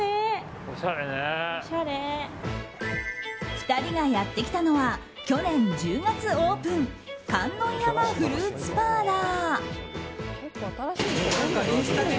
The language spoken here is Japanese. ２人がやってきたのは去年１０月オープン観音山フルーツパーラー。